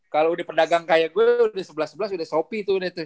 kalau udah pedagang kayak gue udah sebelas sebelas udah shopee tuh